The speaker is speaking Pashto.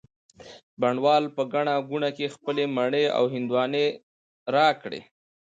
بڼ وال په ګڼه ګوڼه کي خپلې مڼې او هندواڼې را کړې